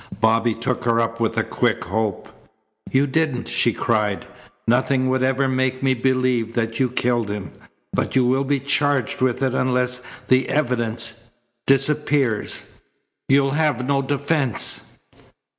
Bobby took her up with a quick hope. "You didn't," she cried. "Nothing would ever make me believe that you killed him, but you will be charged with it unless the evidence disappears. You'll have no defence."